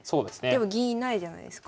でも銀いないじゃないですか。